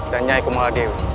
dan nyai kumaladewi